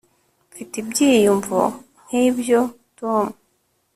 mfite ibyiyumvo nk'ibyo, tom